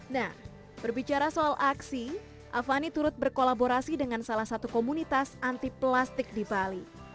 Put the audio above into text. nah berbicara soal aksi avani turut berkolaborasi dengan salah satu komunitas anti plastik di bali